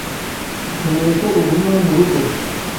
nkeneye ko uguma murugo.